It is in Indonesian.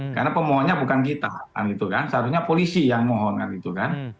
karena pemohonnya bukan kita kan gitu kan seharusnya polisi yang mohon kan gitu kan